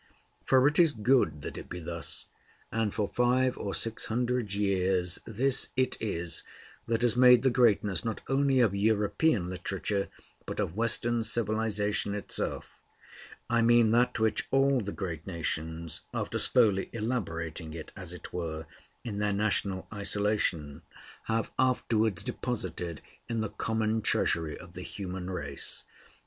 For it is good that it be thus, and for five or six hundred years this it is that has made the greatness not only of European literature, but of Western civilization itself; I mean that which all the great nations, after slowly elaborating it, as it were, in their national isolation, have afterwards deposited in the common treasury of the human race.